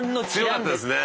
強かったですね。